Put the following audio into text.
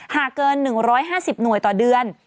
หากเกิน๑๕๐หน่วยต่อเดือน